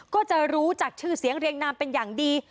ก็จะรู้จากชื่อเสียงเรียงนามเป็นอย่างดี